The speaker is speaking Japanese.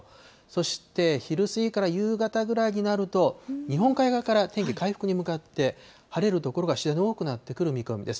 そして昼過ぎから夕方ぐらいになると、日本海側から天気回復に向かって、晴れる所が次第に多くなってくる見込みです。